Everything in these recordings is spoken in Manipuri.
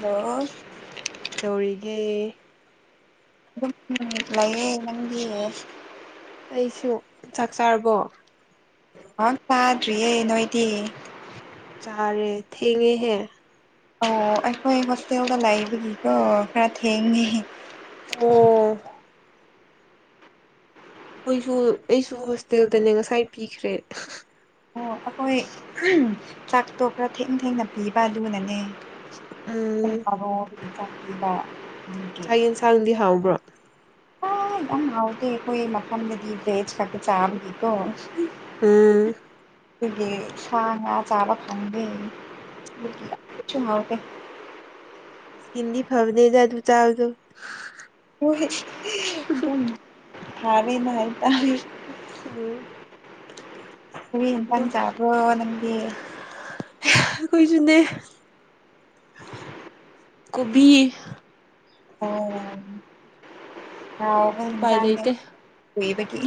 ꯍ ꯀꯩꯗꯧꯔꯤꯒꯦ ꯂꯑꯌꯦ ꯂꯪꯗꯤꯦ ꯑꯩꯁꯨ ꯆꯥꯛ ꯆꯥꯔꯕꯣ ꯍ ꯆꯥꯗ꯭ꯔꯤꯌꯦ ꯅꯣꯏꯗꯤ ꯆꯥꯔꯦ ꯊꯦꯡꯉꯦꯍꯦ ꯑꯣ ꯑꯩꯈꯣꯏ ꯍꯣꯁꯇꯦꯜꯗ ꯂꯩꯕꯒꯤꯀꯣ ꯈꯔ ꯊꯦꯡꯉꯦ ꯑꯣ ꯑꯩꯈꯣꯏꯁꯨ ꯑꯩꯈꯣꯏꯁꯨ ꯑꯩꯁꯨ ꯍꯣꯁꯇꯦꯜꯗꯅꯦ ꯉꯁꯥꯏ ꯄꯤꯈ꯭ꯔꯦ ꯑꯣ ꯑꯩꯈꯣꯏ ꯆꯥꯛꯇꯣ ꯈꯔ ꯊꯦꯡꯅ ꯊꯦꯡꯅ ꯄꯤꯕ ꯗꯨꯅꯅꯦ ꯎꯝ [unintelligible] ꯆꯥꯛ ꯌꯦꯟꯁꯥꯡꯗꯤ ꯍꯥꯎꯕ꯭ꯔꯣ ꯑ ꯑꯝ ꯌꯥꯎꯇꯦ ꯑꯩꯈꯣꯏ ꯃꯐꯝꯗꯗꯤ ꯚꯦꯖ ꯈꯛꯇ ꯆꯥꯕꯒꯤ ꯀꯣ ꯎꯝ ꯗꯨꯒꯤ ꯁꯥ ꯉꯥ ꯆꯥꯕ ꯐꯪꯗꯦ ꯑꯗꯨꯒꯤ ꯀꯩꯁꯨꯝ ꯍꯥꯎꯇꯦ ꯏꯁꯀꯤꯟꯗꯤ ꯐꯕꯅꯦꯗ ꯑꯗꯨ ꯆꯥꯕꯗꯣ ꯍꯣꯏꯍꯦ [unintelligible] ꯎꯝ ꯑꯗꯨꯝ [unintelligible] ꯆꯥꯕꯔꯣ ꯅꯪꯗꯤ ꯑꯩꯈꯣꯏꯁꯨꯅꯦ ꯀꯣꯕꯤ ꯑꯣ ꯍꯥꯎꯕ ꯎꯄꯥꯏ ꯏꯟꯁꯥꯡꯅꯦ ꯂꯩꯇꯦ ꯀꯨꯏꯕꯒꯤ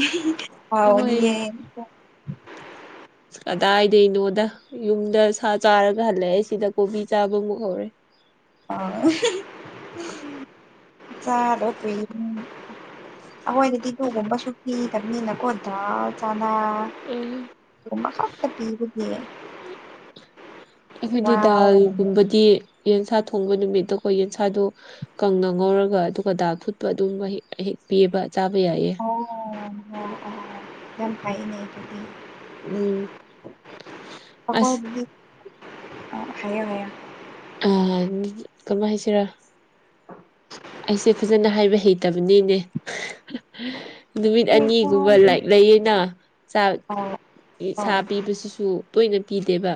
ꯍꯥꯎꯅꯤꯌꯦ ꯍꯣꯏ [inaudible] ꯀꯗꯥꯏꯗꯩꯅꯣꯗ ꯌꯨꯝꯗ ꯁꯥ ꯆꯥꯔꯒ ꯍꯜꯂꯛꯑꯦ ꯁꯤꯗ ꯀꯣꯕꯤ ꯆꯥꯕ ꯑꯃꯨꯛ ꯍꯧꯔꯦ ꯑ ꯆꯥꯗꯧ ꯀꯨꯏ ꯎꯝ ꯑꯈꯣꯏꯗꯗꯤ ꯗꯨꯒꯨꯝꯕꯁꯨꯨ ꯄꯤꯗꯕꯅꯤꯅꯀꯣ ꯗꯥꯜ ꯆꯥꯅ ꯎꯝ ꯗꯨꯒꯨꯝꯕ ꯈꯛꯇ ꯄꯤꯕꯅꯤ ꯑꯩꯈꯣꯏꯗꯤ ꯗꯥꯜꯒꯨꯝꯕꯗꯤ ꯌꯦꯟꯁꯥ ꯊꯣꯡꯕ ꯅꯨꯃꯤꯠꯇꯀꯣ ꯌꯦꯟꯁꯥꯗꯨ ꯀꯪꯅ ꯉꯧꯔꯒ ꯑꯗꯨꯒ ꯗꯥꯥꯜ ꯐꯨꯠꯄ ꯑꯗꯨꯝ ꯃꯍꯤꯛ ꯑꯍꯤꯛ ꯄꯤꯕꯥ ꯆꯥꯕ ꯌꯥꯏꯌꯦ ꯑꯣ ꯌꯥ ꯑꯍꯥ ꯌꯥꯝ ꯐꯩꯅꯦ ꯑꯗꯨꯗꯤ ꯎꯝ ꯑꯁ ꯑꯈꯣꯢꯗꯤ ꯍꯩꯌꯦ ꯍꯩꯌꯦ ꯑ ꯃꯤꯒꯤ ꯀꯃꯥꯏ ꯍꯥꯏꯁꯤꯔꯥ ꯑꯩꯁꯦ ꯐꯖꯅ ꯍꯥꯏꯕ ꯍꯩꯇꯕꯅꯤꯅꯦ ꯅꯨꯃꯤꯠ ꯍꯣꯏ ꯑꯅꯤꯒꯨꯝꯕ ꯆꯥꯗꯦ ꯂꯥꯏ ꯂꯩꯌꯦꯅ ꯆꯥꯛ ꯑꯣ ꯏ ꯑꯣ ꯁꯥ ꯄꯤꯕꯁꯤꯁꯨ ꯇꯣꯏꯅ ꯄꯤꯗꯦꯕ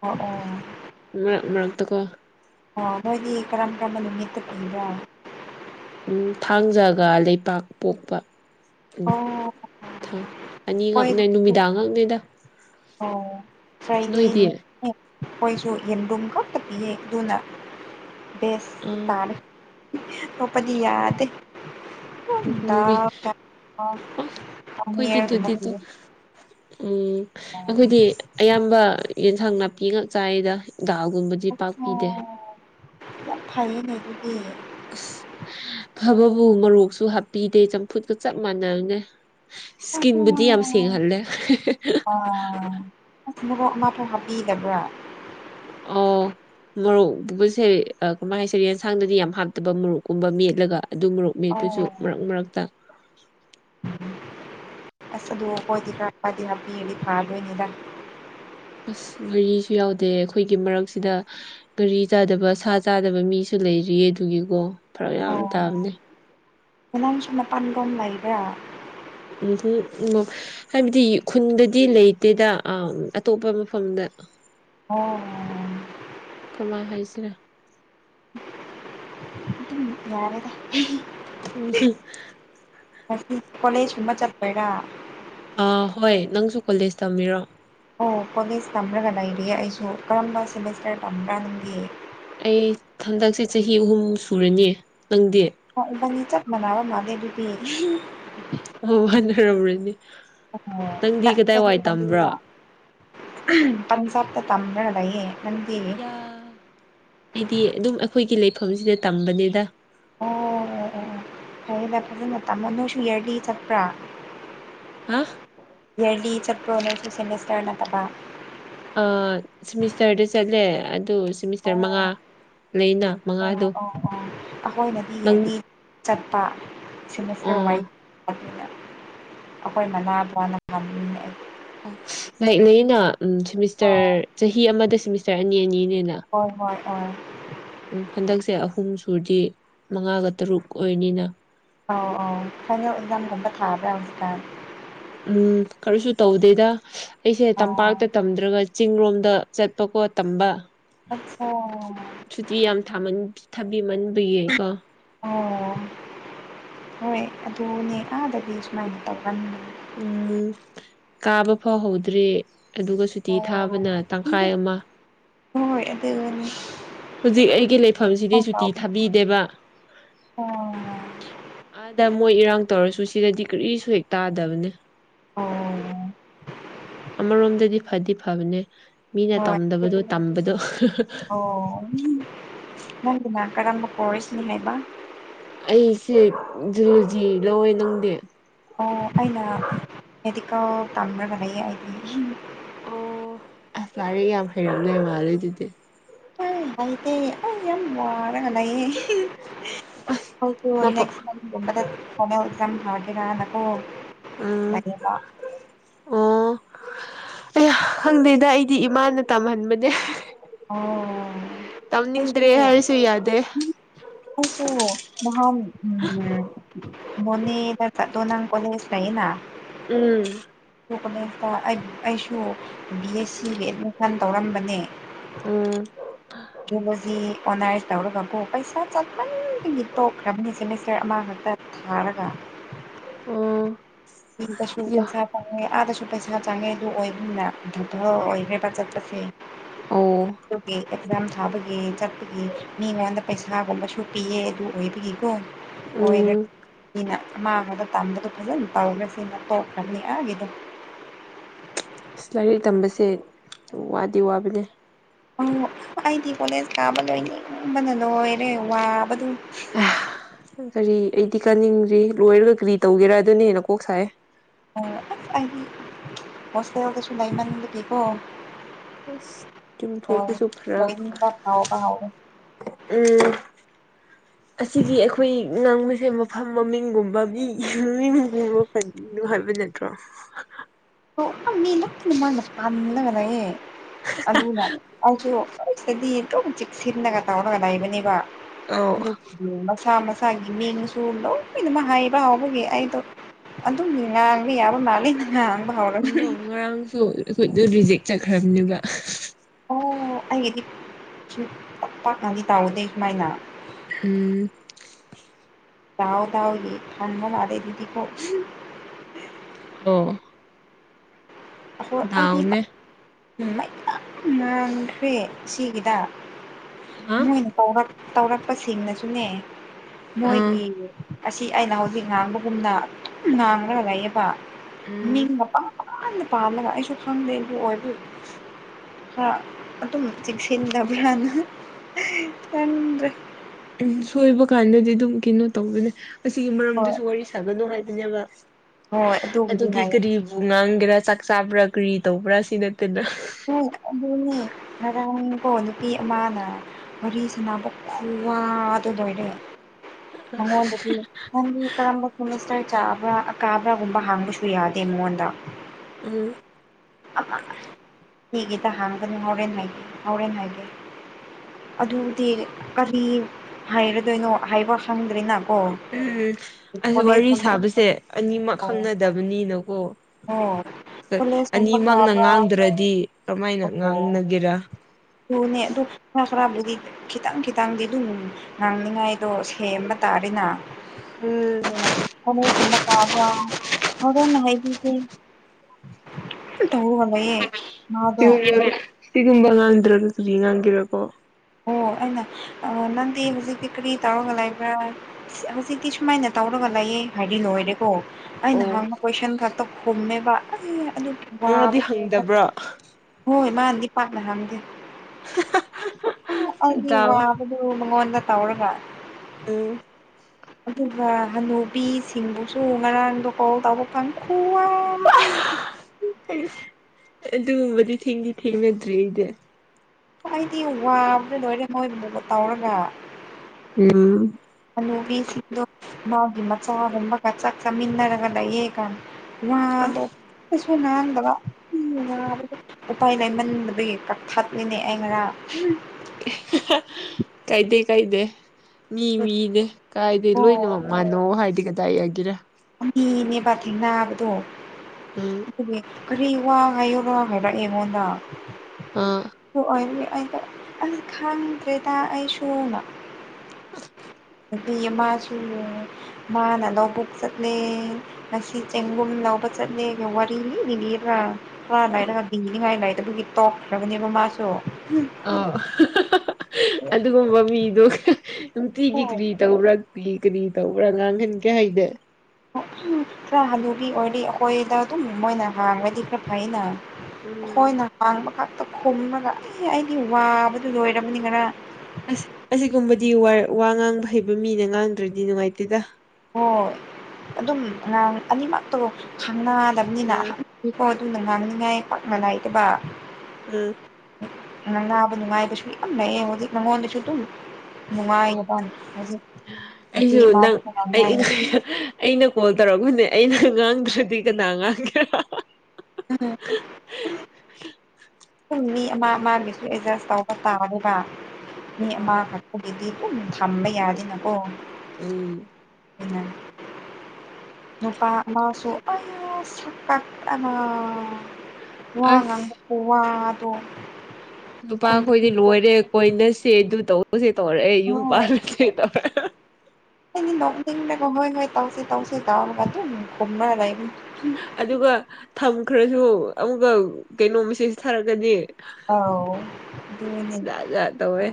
ꯑꯣ ꯑꯣ ꯃꯔꯛ ꯃꯔꯛꯇꯀꯣ ꯑꯣ ꯅꯣꯏꯗꯤ ꯀꯔꯝ ꯀꯔꯝꯕ ꯅꯨꯃꯤꯠꯇ ꯄꯤꯕ꯭ꯔꯥ ꯎꯝ ꯊꯥꯡꯖꯒꯥ ꯂꯩꯕꯥꯛ ꯄꯣꯛꯄ ꯎꯝ ꯑꯣ ꯊꯥꯡ ꯑꯅꯤ ꯍꯣꯏ ꯃꯛꯅꯦ ꯅꯨꯃꯤꯗꯥꯡ ꯉꯛꯅꯦꯗ ꯑꯣ ꯐ꯭ꯔꯥꯏꯗꯦ ꯅꯣꯏꯗꯤ ꯅꯨꯃꯤꯠꯅꯦ ꯑꯩꯈꯣꯏꯁꯨ ꯌꯦꯟꯕꯨꯝ ꯈꯛꯇ ꯄꯤꯌꯦ ꯑꯗꯨꯅ ꯕꯦꯁ ꯑꯥ ꯇꯥꯔꯦ ꯇꯣꯞꯄꯗꯤ ꯌꯥꯗꯦ ꯗ ꯅꯨꯃꯤꯠ ꯇ ꯑꯁ ꯄ ꯑꯩꯈꯣꯏꯗꯤ ꯑꯗꯨꯗꯤ [unintelligible] ꯎꯝ ꯑꯩꯈꯣꯏꯗꯤ ꯑꯌꯥꯝꯕ ꯌꯦꯟꯁꯥꯡ ꯅꯥꯄꯤ ꯒꯛ ꯆꯥꯏꯌꯦꯗ ꯗꯥꯜꯒꯨꯝꯕꯗꯤ ꯄꯥꯛꯄꯤꯗꯦ ꯐꯔꯦꯅꯦ ꯑꯗꯨꯗꯤ ꯑꯁ ꯐꯕꯕꯨ ꯃꯔꯣꯛꯁꯨ ꯍꯥꯞꯄꯤꯗꯦ ꯆꯝꯐꯨꯠꯀ ꯆꯞ ꯃꯥꯟꯅꯔꯤꯅꯦ ꯏꯁꯀꯤꯟꯕꯨꯗꯤ ꯌꯥꯝ ꯁꯦꯡꯍꯜꯂꯦ ꯑ ꯑꯁ ꯃꯣꯔꯣꯛ ꯑꯃꯐꯥꯎ ꯍꯥꯞꯄꯤꯗꯕ꯭ꯔꯣ ꯑꯥ ꯃꯣꯔꯣꯛꯗꯒꯥꯁꯦ ꯑꯥ ꯀꯃꯥꯏ ꯍꯥꯏꯁꯤꯒꯦ ꯌꯦꯟꯁꯥꯡꯗꯗꯤ ꯌꯥꯝ ꯍꯥꯞꯇꯕ ꯃꯣꯔꯣꯛꯀꯨꯝꯕ ꯃꯦꯠꯂꯒ ꯑꯗꯨ ꯃꯣꯔꯣꯛ ꯑꯣ ꯃꯦꯠꯄꯁꯨ ꯃꯔꯛ ꯃꯔꯛꯇ ꯑꯁ ꯑꯗꯨ ꯑꯩꯈꯣꯏꯗꯤ ꯈꯔꯗꯤ ꯍꯥꯞꯄꯤꯔꯗꯤ ꯐꯗꯣꯏꯅꯤꯗ ꯑꯁ ꯉꯔꯤꯁꯨ ꯌꯥꯎꯗꯦ ꯑꯩꯈꯣꯏꯒꯤ ꯃꯔꯛꯁꯤꯗ ꯀꯔꯤ ꯆꯥꯗꯕ ꯁꯥ ꯆꯥꯗꯕ ꯃꯤꯁꯨ ꯂꯩꯔꯤꯌꯦ ꯑꯗꯨꯒꯤꯀꯣ ꯐꯔꯛ ꯌꯥꯝ ꯇꯥꯕꯅꯦ ꯃꯅꯝꯁꯨ ꯃꯄꯥꯟꯒꯣꯝ ꯂꯩꯕ꯭ꯔꯥ ꯎꯝ ꯍꯨꯝ ꯍꯥꯏꯕꯗꯤ ꯈꯨꯟꯗꯗꯤ ꯂꯩꯇꯦꯗ ꯑ ꯑꯇꯣꯞꯄ ꯃꯐꯝꯗ ꯑꯣ ꯀꯃꯥꯏ ꯍꯥꯏꯁꯤꯔꯥ ꯑꯗꯨꯝ ꯌꯥꯔꯦꯗ ꯑꯍꯨꯝ ꯉꯁꯤ ꯀꯣꯂꯦꯖꯀꯨꯝꯕ ꯆꯠꯄꯩꯔ ꯑ ꯍꯣꯏ ꯅꯪꯁꯨ ꯀꯣꯂꯦꯖ ꯇꯝꯃꯤꯔꯣ ꯑꯣ ꯀꯣꯂꯦꯖ ꯇꯝꯕ꯭ꯔꯒ ꯂꯩꯔꯤ ꯑꯩꯁꯨ ꯀꯔꯝꯕ ꯁꯦꯃꯦꯁꯇꯔ ꯇꯝꯕ꯭ꯔꯥ ꯅꯪꯒꯤ ꯑꯩ ꯍꯟꯗꯛꯁꯦ ꯆꯍꯤ ꯑꯍꯨꯝ ꯁꯨꯔꯅꯤ ꯅꯪꯗꯦ ꯏꯕꯅꯤ ꯆꯞ ꯃꯅꯥꯕ ꯃꯥꯂ‌ꯦꯑꯗꯨꯗꯤ ꯑꯧ ꯃꯥꯟꯅꯔꯝꯔꯅꯤ [unintelligible] ꯄꯟꯖꯥꯕꯇ ꯇꯝꯔ ꯂꯩꯌꯦ ꯅꯪꯗꯤ ꯑꯩꯌꯥ ꯑꯩꯗꯤ ꯑꯗꯨꯝ ꯑꯩꯈꯣꯏꯒꯤ ꯂꯩꯐꯝꯁꯤꯗ ꯇꯝꯕꯅꯤꯗ ꯐꯩꯗ ꯐꯖꯅ ꯇꯝꯃꯣ ꯅꯣꯏꯁꯨ ꯌ꯭ꯔꯂꯤ ꯆꯠꯄ꯭ꯔꯥ ꯍꯥ ꯌ꯭ꯔꯂꯤ ꯆꯠꯄ꯭ꯔꯣ ꯅꯣꯏꯁꯨ ꯁꯦꯃꯤꯁꯇꯔ ꯅꯠꯇꯕ ꯑ ꯁꯦꯃꯤꯁꯇꯔꯗ ꯆꯠꯂꯦ ꯑꯗꯨ ꯁꯦꯃꯤꯁꯇꯔ ꯃꯉꯥ ꯑꯣ ꯂꯩꯅ ꯃꯉꯥꯗꯣ [unintelligible] ꯑꯩꯈꯣꯏꯅꯗꯤ ꯅꯪ ꯌ꯭ꯔꯂꯤ ꯆꯠꯄ ꯁꯤꯃꯦꯁꯇꯔ ꯑꯣ ꯋꯥꯏꯁ [unintelligible] ꯑꯩꯈꯣꯏ ꯃꯅꯥꯕꯥ [unintelligible] ꯑꯣ ꯂꯥꯏꯛ ꯂꯩꯩꯅ ꯎ ꯁꯦꯃꯤꯁꯇꯔ ꯑꯣ ꯆꯍꯤ ꯑꯃꯗ ꯁ‌ꯦꯃꯤꯁꯇꯔ ꯑꯅꯤ ꯑꯅꯤꯅꯦꯅ ꯍꯣꯏ ꯍꯣꯏ ꯑꯣꯏ ꯎꯝ ꯍꯟꯗꯛꯁꯦ ꯑꯍꯨꯝ ꯁꯨꯔꯗꯤ ꯃꯉꯥꯒ ꯇꯔꯨꯛ ꯑꯣꯏꯔꯅꯤꯅ ꯑꯧ ꯑꯧ ꯐꯥꯏꯅꯦꯜ ꯑꯦꯛꯖꯥꯝ ꯒꯨꯝꯕ ꯊꯥꯕ꯭ꯔ ꯍꯧꯖꯤꯛꯀꯥꯟ ꯎꯝ ꯀꯔꯤꯁꯨ ꯇꯧꯗꯦꯗ ꯑꯩꯁꯦ ꯑꯣ ꯇꯝꯄꯥꯛꯇ ꯇꯝꯗ꯭ꯔꯒ ꯆꯤꯡꯔꯣꯝꯗ ꯆꯠꯄꯀꯣ ꯇꯝꯕ ꯑꯆꯥ ꯁꯨꯇꯤ ꯌꯥꯝ ꯊꯥꯃꯟ ꯊꯥꯕꯤꯃꯟꯕꯒꯤ ꯀꯣ ꯑꯣ ꯍꯣꯏ ꯑꯗꯨꯅꯦ ꯑꯥꯗꯗꯤ ꯁꯨꯃꯥꯏꯅ ꯇꯧꯒꯟ ꯎꯝ ꯀꯥꯕ ꯐꯥꯎꯍꯧꯗ꯭ꯔꯤ ꯑꯗꯨꯒ ꯁꯨꯇꯤ ꯑꯣ ꯊꯥꯕꯅ ꯇꯪ ꯈꯥꯏ ꯑꯃ ꯍꯣꯏ ꯑꯗꯨꯒꯅꯤ ꯍꯧꯖꯤꯛ ꯑꯩꯒꯤ ꯂꯩꯐꯝꯁꯤꯗꯤ ꯁꯨꯇꯤ ꯊꯥꯕꯤꯗꯦꯕ ꯑꯥꯗ ꯃꯣꯏ ꯏꯔꯥꯡ ꯇꯧꯔꯁꯨ ꯁꯤꯗꯗꯤ ꯀꯔꯤꯁꯨ ꯍꯦꯛ ꯇꯥꯗꯕꯅꯦ ꯑꯃꯔꯣꯝꯗꯗꯤ ꯐꯗꯤ ꯐꯕꯅꯦ ꯃꯤꯅ ꯍꯣꯏ ꯇꯝꯗꯕꯗꯣ ꯇꯝꯕꯗꯣ ꯑꯣ ꯅꯪꯒꯤꯅ ꯀꯔꯝꯕ ꯀꯣꯔꯦꯁꯅꯤ ꯍꯥꯏꯕ ꯑꯩꯁꯦ ꯖꯨꯂꯣꯖꯤ ꯂꯧꯋꯦ ꯅꯪꯗꯤ ꯑꯣ ꯑꯩꯅ ꯃꯦꯗꯤꯀꯜ ꯇꯝꯔꯒ ꯂꯩꯌꯦ ꯑꯩꯗꯤ ꯑꯣ ꯑꯁ ꯂꯥꯏꯔꯤꯛ ꯌꯥꯝ ꯍꯩꯔꯝꯗꯣꯏ ꯃꯥꯜꯂꯦ ꯑꯗꯨꯗꯤ ꯑꯩ ꯍꯩꯇꯦ ꯑꯩ ꯌꯥꯝ ꯋꯥꯔꯒ ꯂꯩꯌꯦ [unintelligible] ꯅꯄ ꯅꯦꯛꯁ ꯃꯟꯇ [unintelligible] ꯐꯥꯏꯅꯦꯜ ꯑꯦꯛꯖꯥꯝ ꯊꯥꯒꯦꯔꯅ ꯀꯣ ꯎꯝ ꯑꯣ ꯑꯩꯌꯥ ꯈꯪꯗꯦꯗ ꯑꯩꯗꯤ ꯏꯃꯥꯅ ꯇꯝꯍꯟꯕꯅꯦ ꯑꯣ ꯑꯩꯁꯨ ꯇꯝꯅꯤꯡꯗ꯭ꯔꯦ ꯍꯥꯏꯔꯁꯨ ꯌꯥꯗꯦ ꯇꯁꯨ ꯃꯍꯥꯟ ꯃꯅꯤꯗ ꯆꯠꯂꫭ ꯅꫭ ꯀꯣꯂ‌ꯦꯁ ꯂꯩꯅ ꯎꯝ ꯀꯣꯂꯦꯖꯇ ꯑꯩꯁꯨ ꯕꯤ ꯑꯦꯁ ꯁꯤꯒꯤ ꯑꯦꯗꯃꯤꯁꯟ ꯇꯧꯔꯝꯕꯅꯦ ꯎꯝ ꯂꯣꯖꯤ ꯑꯣꯅꯥꯔꯁ ꯇꯧꯔꯒꯀꯨ ꯄꯩꯁꯥ ꯆꯠꯃꯟꯕꯒꯤ ꯇꯣꯛꯈ꯭ꯔꯕꯅꯤ ꯁꯤꯃꯤ ꯑꯃ ꯈꯛꯇ ꯊꯔꯒ ꯎꯨꯝ [inaudible] ꯆꯪꯉꯦ ꯑꯥꯗꯁꯨ ꯄꯩꯁꯥ ꯆꯪꯉꯦ ꯑꯗꯨ ꯑꯣꯏꯕꯨꯝꯅ ꯐ ꯑꯣꯏꯔꯦꯕ ꯆꯠꯄꯁꯦ ꯑꯣ ꯑꯗꯨꯒꯤ ꯑꯦꯛꯖꯥꯝ ꯊꯥꯕꯒꯤ ꯆꯠꯄꯒꯤ ꯃꯤ ꯃꯌꯥꯝꯗ ꯄꯩꯁꯥꯒꯨꯝꯕꯁꯨ ꯄꯤꯌꯦ ꯑꯗꯨ ꯑꯣꯏꯕꯒꯤ ꯀꯣ ꯑꯣꯏꯔꯦ ꯎꯝ ꯃꯤꯅ ꯑꯃꯥꯡꯕꯗꯣ ꯇꯝꯕꯗꯣ ꯐꯖꯅ ꯇꯥꯎ ꯃꯦꯁꯤꯅ ꯇꯣꯞꯄꯅꯤ ꯍꯥꯏꯒꯗ ꯑꯦꯁ ꯂꯥꯏꯔꯤꯛ ꯇꯝꯕꯁꯦ ꯋꯥꯗꯤ ꯋꯥꯕꯅꯦ ꯑ ꯑꯩꯗꯤ ꯀꯣꯂꯦꯖ ꯀꯥꯕ ꯂꯣꯏꯅꯤꯡꯕꯅ ꯂꯣꯏꯔꯦ ꯋꯥꯕꯗꯨ ꯀꯔꯤ ꯑꯩꯗꯤ ꯀꯥꯅꯤꯡꯗ꯭ꯔꯤ ꯂꯣꯏꯔꯒ ꯀꯔꯤ ꯇꯧꯒꯦꯔꯥ ꯑꯗꯨꯅ ꯍꯦꯟꯅ ꯀꯣꯛ ꯁꯥꯏ ꯑꯣ ꯑꯩꯗꯤ ꯍꫭꯁꯇꯦꯜꯗꯁꯨ ꯂꯩꯃꯟꯕꯒꯤ ꯀꫭ ꯇꯝꯊꯣꯛ ꯈꯨꯁꯨꯄ ꯂꯣꯏꯅꯤꯡꯕ ꯐꯥꯎꯕ ꯍꯧꯔꯦ ꯎꯝ ꯑꯁꯤꯒꯤ ꯑꯩꯈꯣꯏ ꯉꯥꯡꯕꯁꯦ ꯃ ꯃꯐꯝ ꯃꯃꯤꯡꯒꯨꯝꯕꯒꯤ ꯃꯃꯤꯡꯒꯨꯝꯕ ꯏꯕ ꯅꯠꯇ꯭ꯔꯣ ꯃꯤ ꯂ ꯃꯥꯅ ꯄꯥꯟꯗꯒꯅꯑꯦ ꯑꯗꯨꯂꯁꯨ ꯍꯥꯏꯗꯤ ꯑꯗꯨꯛ ꯆꯤꯛ ꯁꯤꯟꯅꯒ ꯇꯥꯎꯔꯒ ꯂꯩꯕꯅꯦꯕ ꯑꯧ ꯑꯗꯨ ꯎ ꯃꯁꯥ ꯃꯁꯥꯒꯤ ꯃꯤꯅꯁꯨ ꯂꯣꯏꯅꯃꯛ ꯍꯥꯏꯕ ꯍꯧꯕꯒꯤ ꯑꯩꯗꯣ ꯑꯗꯨꯝ ꯉꯥꯡꯕ ꯌꯥꯕ ꯉꯥꯡꯂꯤꯅꯍꯥ ꯑꯗꯣ ꯉꯔꯥꯡꯁꯨ ꯑꯩꯈꯣꯏꯗ ꯔꯤꯖꯦꯛ ꯆꯠꯈ꯭ꯔꯕꯅꯦꯕ ꯑꯣ ꯑꯩꯒꯤꯗꯤ [unintelligible] ꯇꯧꯗꯦ ꯁꯨꯃꯥꯏꯅ ꯎꯝ ꯗꯥꯎꯗꯥꯎꯏ ꯊꯥꯟꯅꯕ ꯃꯥꯗꯦ ꯗꯤ ꯀꯧꯕꯣ ꯑꯣ ꯑꯩꯈꯣ ꯑꯩꯗꯤ ꯗꯥꯎꯅꯦ ꯃꯌꯥꯝ [unintelligible] ꯁꯤꯒꯤꯗ ꯍꯥ ꯃꯣꯏꯅ ꯇꯧꯔꯛ ꯇꯧꯔꯛꯄꯁꯤꯡꯅꯁꯨꯅꯦ ꯑꯥ ꯃꯣꯏꯒꯤ ꯑꯁꯤ ꯑꯩꯅ ꯍꯧꯖꯤꯛ ꯉꯥꯡꯕꯒꯨꯝꯅ ꯑꯗꯨꯝ ꯉꯥꯡꯗ ꯂꯩꯌꯦꯕ ꯎꯝ ꯃꯤꯡ ꯃꯄ ꯃꯥꯟꯅ ꯄꯥꯝꯃꯒ ꯑꯩꯁꯨ ꯈꯪꯗꯦꯕꯨ ꯑꯣꯏꯕ ꯑꯗꯨꯝ ꯆꯦꯛꯁꯤꯟꯗꯕ꯭ꯔꯥꯅ ꯈꯪꯗ꯭ꯔꯦ ꯎꯝ ꯁꯣꯏꯕ ꯀꯥꯟꯗꯗꯤ ꯑꯗꯨꯝ ꯀꯩꯅꯣ ꯇꯧꯕꯅꯦ ꯑꯁꯤꯒꯤ ꯍꯣꯏ ꯃꯔꯝꯗꯁꯨ ꯋꯥꯔꯤ ꯁꯥꯒꯅꯨ ꯍꯥꯏꯕꯅꯦꯕ ꯍꯣꯏ ꯑꯗꯨꯕꯨꯗꯤ ꯑꯗꯨꯒꯤ ꯉꯥꯏ ꯀꯔꯤ ꯎ ꯉꯥꯡꯒꯦꯔꯥ ꯆꯥꯛ ꯆꯥꯕ꯭ꯔꯥ ꯀꯔꯤ ꯇꯧꯕ꯭ꯔꯥ ꯁꯤ ꯅꯠꯇꯦꯅ ꯎ ꯑꯗꯨꯅꯦ ꯉꯔꯥꯡꯀꯣ ꯅꯨꯄꯤ ꯑꯃꯅ ꯋꯥꯔꯤ ꯁꯥꯅꯕ ꯈꯨꯋꯥꯗꯣ ꯂꯣꯏꯔꯦ ꯃꯉꯣꯟꯗꯗꯤ ꯅꯪꯒꯤ ꯀꯔꯝꯕꯁꯇ ꯆꯥꯕ ꯀꯥꯕ꯭ꯔꯥꯒꯨꯝꯕ ꯍꯥꯡꯕꯁꯨ ꯌꯥꯗꯦ ꯃꯉꯣꯟꯗ ꯎꯝ ꯑꯃꯛꯃꯤꯒꯤꯗ ꯍꯥꯡꯒꯅꯤ ꯍꯣꯔꯦꯟ ꯍꯥꯏꯒꯦ ꯍꯧꯔꯦꯟ ꯍꯥꯏꯒꯦ ꯑꯗꯨꯗꯤ ꯀꯔꯤ ꯍꯥꯏꯔꯗꯣꯏꯅꯣ ꯍꯥꯏꯕ ꯈꯪꯗ꯭ꯔꯦꯅ ꯀꯣ ꯎꯝ ꯑ ꯋꯥꯔꯤ ꯁꯥꯕꯁꯦ ꯑꯅꯤꯃꯛ ꯑꯣ ꯈꯪꯅꯗꯕꯅꯤꯅꯀꯣ ꯑꯣ ꯀꯣꯂꯦꯖꯀꯨꯝꯕ ꯑꯅꯤꯃꯛꯅ ꯀꯥꯕ꯭ꯔꯥ ꯉꯥꯡꯗ꯭ꯔꯗꯤ ꯀꯔꯝꯃꯥꯏꯅ ꯑꯣ ꯉꯥꯡꯅꯒꯦꯔꯥ 'ꯑꯗꯨꯅꯦ ꯈꯔ ꯈꯔ ꯕꯨꯗꯤ ꯈꯤꯇꯪ ꯈꯤꯇꯪꯗꯤ ꯑꯗꯨꯝ ꯉꯥꯡꯅꯤꯉꯥꯏꯗꯣ ꯁꯦꯝꯕ ꯇꯥꯔꯦꯅ ꯎꯝ [inaudible] ꯎꯝ ꯗꯨꯝ ꯇꯧꯔꯒ ꯂꯩꯌꯦ ꯃꯥꯗꯣ ꯁꯤꯒꯨꯝꯕ ꯉꯥꯡꯗ꯭ꯔꯒ ꯀꯔꯤ ꯉꯥꯡꯒꯤꯔꯕꯣ ꯑꯣ ꯑꯩꯅ ꯑꯣ ꯅꯪꯗꯤ ꯍꯧꯖꯤꯛꯇꯤ ꯀꯔꯤ ꯇꯧꯔꯒ ꯂꯩꯕ꯭ꯔꯥ ꯍꯧꯖꯤꯛꯇꯤ ꯁꯨꯃꯥꯏꯅ ꯇꯧꯔꯒ ꯂꯩꯌꯦ ꯍꯥꯏꯗꯤ ꯂꯣꯏꯔꯦꯀꯣ ꯑꯩꯅ ꯑꯣ ꯍꯪꯕ ꯀꯣꯏꯁꯟ ꯈꯛꯇ ꯈꯨꯝꯃꯦꯕ ꯑꯦ ꯑꯗꯨ ꯃꯥꯗꯤ ꯋꯥꯕ ꯍꯪꯗꯕ꯭ꯔꯣ ꯍꯣꯏ ꯃꯥꯥꯟꯅꯗꯤ ꯄꯥꯝꯅ ꯍꯥꯪꯒꯦ ꯍ ꯎ ꯑꯩꯗꯤ ꯋꯥꯕꯗꯨ ꯃꯉꯣꯟꯗ ꯇꯧꯔꯒ ꯎꯝ ꯑꯗꯨꯒ ꯍꯅꯨꯕꯤꯁꯤꯡꯕꯨꯁꯨ ꯉꯔꯥꯡꯗꯣ ꯀꯣꯜ ꯇꯧꯕ ꯀꯥꯟ ꯈꯨꯋꯥꯗꯤ ꯑ ꯑꯗꯨꯒꯨꯝꯕꯗꯤ ꯊꯦꯡꯗꯤ ꯊꯦꯡꯅꯗ꯭ꯔꯤ ꯑꯩꯗꯤ ꯑꯩꯗꯤ ꯋꯥꯕꯗ ꯂꯣꯏꯔꯦ ꯃꯣꯏꯒꯨꯝꯅ ꯇꯧꯔꯒ ꯎꯝ ꯑꯅꯨꯕꯤꯁꯤꯡꯗꯣ ꯃꯥꯒꯤ ꯃꯆꯥꯒꯨꯝꯕꯒ ꯆꯥꯛ ꯆꯥꯃꯤꯟꯅꯔꯒ ꯂꯩꯌꯦ ꯀꯅ ꯑ ꯋꯥꯗꯣ ꯀꯩꯁꯨ ꯉꯥꯡꯗꯕ ꯍꯝ ꯌꯥꯔꯣꯏ ꯈꯋꯥꯏ ꯂꯩꯃꯟꯕꯕꯒꯤ ꯀꯛꯊꯠꯂꯤꯅꯦ ꯑꯩ ꯉꯔꯥꯡ ꯑꯍꯍꯥ ꯀꯥꯏꯗꯦ ꯀꯥꯏꯗꯦ ꯃꯤ ꯃꯤꯅꯦ ꯀꯥꯏꯗꯦ ꯑꯣ ꯂꯣꯏꯅꯃꯛ ꯃꯥꯟꯅꯣ ꯍꯥꯏꯗꯤ ꯀꯗꯥꯏ ꯌꯥꯒꯦꯔꯥ ꯑꯅꯤꯅꯦꯕ ꯊꯦꯡꯅꯥꯕꯗꯣ ꯎꯝ [unintelligible] ꯀꯔꯤ ꯋꯥ ꯍꯥꯏꯌꯨꯔ ꯍꯥꯏꯔꯛꯑꯦ ꯑꯩꯉꯣꯟꯗ ꯑ ꯇꯨ ꯑꯣꯏꯔꯗꯤ ꯑꯩꯁꯨ ꯑꯪ ꯈꯪꯗ꯭ꯔꯦꯅ ꯑꯩꯁꯨ ꯅ ꯕꯤ ꯃꯥꯁꯨ ꯃꯥꯅ ꯂꯧꯕꯨꯛ ꯆꯠꯂꯦ ꯉꯁꯤ ꯆꯦꯡꯒꯨꯝ ꯂꯥꯎꯕ ꯆꯠꯂꯦꯒꯦ ꯋꯥꯔꯤ ꯂꯤꯅꯤꯡꯉꯤꯕꯔ ꯋꯥ ꯉꯥꯏꯔꯒ ꯕꯤꯅꯤꯡꯉꯥꯏ ꯅꯥꯏꯗꯕꯒꯤ ꯇꯣꯛꯈ꯭ꯔꯕꯅꯦꯕ ꯃꯥꯁꯨ ꯑ ꯍꯥꯍꯥꯍꯥ ꯑꯗꯨꯒꯨꯝꯕ ꯃꯤꯗꯣ ꯅꯨꯡꯇꯤꯒꯤ ꯀ꯭ꯔꯤ ꯇꯧꯕ꯭ꯔꯥ ꯀꯔꯤ ꯀꯔꯤ ꯇꯧꯕ꯭ꯔꯥ ꯉꯥꯡꯍꯟꯈꯦ ꯍꯥꯏꯅꯦ ꯈꯔ ꯍꯅꯨꯕꯤ ꯑꯣꯏꯔꯗꯤ ꯑꯩꯈꯣꯏꯗ ꯑꯗꯨꯝ ꯃꯣꯏꯅ ꯍꯥꯡꯉꯗꯤ ꯈꯔ ꯐꯩꯅ ꯎꯝ ꯍꯣꯏ ꯅ ꯉꯥꯡꯕ ꯈꯇ ꯈꯣꯨꯝꯃꯒ ꯑꯦ ꯑꯩꯗꯤ ꯋꯥꯕꯗꯨ ꯂꯣꯏꯔꯕꯅꯤ ꯉꯔ ꯑꯁ ꯑꯁꯤꯒꯨꯝꯕꯗꯤ ꯋꯥ ꯋꯥ ꯉꯥꯡꯕ ꯍꯩꯕ ꯃꯤꯅ ꯉꯥꯡꯗ꯭ꯔꯗꯤ ꯅꯨꯡꯉꯥꯏꯇꯦꯗ ꯍꯣꯏ ꯑꯗꯨꯝ ꯑꯉꯥꯡ ꯑꯅꯤꯃꯛꯇꯣ ꯑꯥ ꯈꯪꯅꯗꯕꯅꯤꯅꯍ ꯅꯨꯄꯥꯗꯨꯅ ꯉꯥꯡꯅꯤꯡꯉꯥꯏ ꯄꯥꯛꯅ ꯂꯩꯇꯕ ꯎꯝ ꯅꯪ ꯅꯥꯕ ꯅꯨꯡꯉꯥꯏꯕꯁꯨ ꯌꯥꯝꯌꯦ ꯍꯧꯖꯤꯛ ꯅꯪꯉꯣꯟꯗꯁꯨ ꯑꯗꯨꯝ ꯅꯨꯡꯉꯥꯏ ꯑꯪ ꯍꯖꯤꯛ ꯅꯠꯇꯦ ꯑꯩꯁꯨ ꯏꯃꯥꯗꯣ ꯅꯪ ꯑꯩ ꯑꯩ ꯑꯩꯅ ꯀꯣꯜ ꯇꯧꯔꯛꯄꯅꯦ ꯑꯩꯅ ꯉꯥꯡꯗ꯭ꯔꯗꯤ ꯀꯅꯥ ꯉꯥꯡꯒꯦꯔꯥ [unintelligible] ꯄꯨꯝ ꯃꯤ ꯑꯃ ꯑꯃꯒꯤꯁꯨ ꯑꯦꯗꯖꯁ ꯇꯧꯕ ꯇꯥꯔꯒ ꯃꯤ ꯍꯣꯏ ꯑꯃꯈꯛ ꯍꯧꯖꯤꯛꯇꯤ ꯀꯨꯏꯅ ꯊꯝꯕ ꯌꯥꯗꯦꯅ ꯀꯣ ꯎꯝ ꯑꯩ ꯅꯨꯄꯥ ꯃꯥꯁꯨ ꯁ ꯀ ꯑ ꯋꯥ ꯉ ꯑꯁ ꯍ ꯋꯥ ꯑꯗꯨ ꯅꯨꯄꯥꯈꯣꯏꯗꯤ ꯂꯣꯏꯔꯦ ꯀꯣꯏꯅꯁꯦ ꯑꯗꯨ ꯇꯧꯔꯁꯦ ꯇꯧꯔꯛꯑꯦ ꯌꯨꯝ ꯈꯨꯝꯃꯣ ꯄꯜꯂꯨꯁꯦ ꯇꯧꯔꯑꯦ ꯈꯣꯏꯗꯤ ꯅꯣꯡꯗꯤꯡ ꯗꯒꯥ ꯇꯥꯎꯁ ꯇꯥꯎꯁ ꯇꯧꯔꯒ ꯑꯗꯨꯝ ꯈꯨꯝꯗꯅ ꯂꯩꯕꯅꯤ ꯑꯗꯨꯒ ꯊꯝꯈ꯭ꯔꯁꯨ ꯑꯃꯨꯛꯀ ꯀꯩꯅꯣ ꯃꯤꯁꯦꯁ ꯊꯥꯔꯛꯂꯗꯤ ꯑꯥꯎ ꯑꯗꯨꯅꯦ ꯖ ꯇꯧꯋꯦ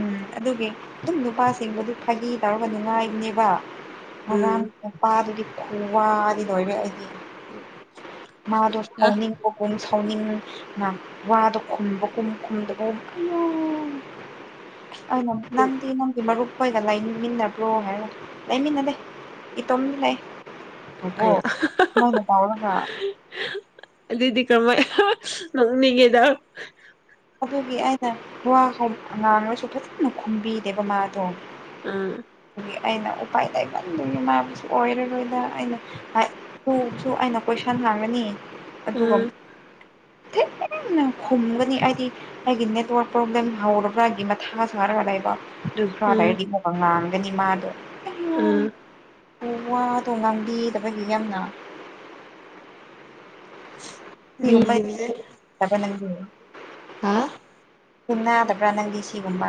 ꯎꯝ ꯑꯗꯨꯒꯤ ꯗꯨꯝ ꯅꯨꯄꯥꯁꯤꯡꯕꯨꯗꯨ ꯐꯥꯒꯤ ꯇꯧꯔꯒ ꯉꯥꯏꯕꯅꯦꯕ ꯎꯝ ꯉꯔꯥꯡ ꯅꯨꯄꯥꯗꯨꯒꯤ ꯈꯨꯋꯥꯗꯤ ꯂꯣꯏꯔꯦ ꯑꯩꯗꯤ ꯎꯝ ꯃꯥꯗꯣꯁ ꯐꯧꯅꯤꯡ [unintelligible] ꯁꯥꯎꯅꯤꯡ ꯋꯥꯗꯣ ꯈꯨꯝꯕꯒꯨꯝ ꯈꯨꯝꯗꯒꯨꯝ ꯑꯌꯣ [unintelligible] ꯑꯩꯅꯥꯅ ꯅꯡ ꯃꯔꯨꯞꯍꯣꯏꯒ ꯂꯩꯃꯤꯟꯅꯕ꯭ꯔꯣ ꯍꯥꯏꯔꯒ ꯂꯩꯃꯤꯟꯅꯗꯦ ꯏꯇꯣꯝ ꯂꯩ ꯑꯣ ꯑꯌꯥ ꯁꯨꯃꯥꯏꯅ ꯇꯥꯎꯔꯒ ꯑꯗꯨꯗꯤ ꯀꯥꯃꯥꯏꯅ ꯅꯣꯛꯅꯤꯡꯉꯤꯗ ꯑꯗꯨꯒꯤ ꯑꯩꯅ ꯋꯥ ꯍꯥꯏ ꯉꯥꯡꯂꯁꯨ ꯐꯖꯅ ꯈꯨꯝꯕꯤꯗꯦꯕ ꯃꯥꯗꯣ ꯎꯝ ꯑꯗꯒꯤ ꯑꯩꯅ ꯎꯄꯥꯏ ꯂꯩꯥꯃꯟꯗꯕꯗꯒꯤꯃꯕꯨꯁꯨ ꯑꯣꯏꯔꯔꯣꯏꯗ ꯑꯩꯅ ꯑꯗꯨꯁꯨ ꯑꯩꯅ ꯀꯣꯏꯁꯟ ꯉꯥꯡꯒꯅꯤ ꯑꯗꯨꯒ ꯎꯝ ꯈꯤꯇꯪꯗꯡꯅ ꯈꯨꯝꯒꯅꯤ ꯑꯩ ꯑꯩꯒꯤ ꯅꯦꯠꯋꯥꯔꯛ ꯄ꯭ꯔꯣꯕ꯭ꯂꯦꯝ ꯍꯧꯔꯕ꯭ꯔꯥꯒꯤ ꯃꯊꯥ ꯁꯥꯔꯒ ꯂꯩꯕ ꯑꯗꯨ ꯈꯔꯥ ꯎꯝ ꯂꯩꯔꯗꯤ ꯃꯨꯛ ꯄꯉꯥꯡꯒꯅꯤ ꯃꯥꯗꯣ ꯎꯝ ꯎꯝ ꯋꯥꯗꯣ ꯉꯥꯡꯕꯤꯗꯕꯒꯤ ꯌꯥꯝꯅ ꯃꯤꯒꯤ 'unintelligible' ꯃꯤꯅꯠ ꯑꯕ ꯅꯪꯗꯤ ꯍꯥ ꯀꯨꯝꯅ ꯑꯗꯕ꯭ꯔꯥ ꯅꯪꯗꯤ ꯁꯤꯒꯨꯝꯕ